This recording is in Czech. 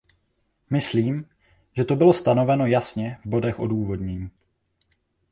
Myslím, že to bylo stanoveno jasně v bodech odůvodnění.